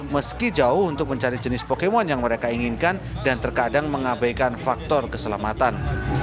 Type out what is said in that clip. meski jauh untuk mencari jenis pokemon yang mereka inginkan dan terkadang mengabaikan faktor keselamatan